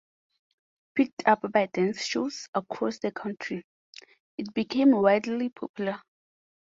Picked up by dance shows across the country, it became widely popular.